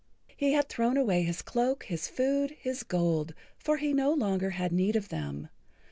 He had thrown away his cloak, his food, his gold, for he no longer had need of them.